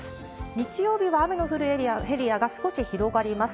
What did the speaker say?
日曜日は雨の降るエリアが少し広がります。